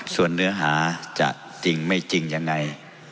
ส่วนเนื้อหาจะจริงไม่จริงยังไง